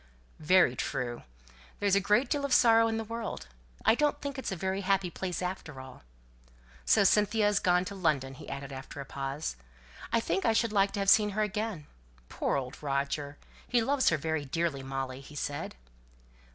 "Very true. There is a great deal of sorrow in the world. I don't think it's a very happy place after all. So Cynthia is gone to London?" he added, after a pause. "I think I should like to have seen her again. Poor old Roger! He loves her very dearly, Molly," he said.